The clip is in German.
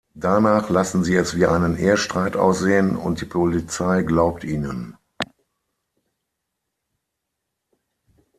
Danach lassen sie es wie einen Ehestreit aussehen, und die Polizei glaubt ihnen.